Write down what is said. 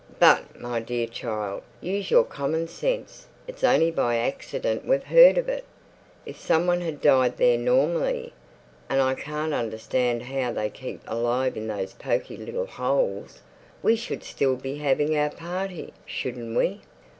"But, my dear child, use your common sense. It's only by accident we've heard of it. If some one had died there normally—and I can't understand how they keep alive in those poky little holes—we should still be having our party, shouldn't we?"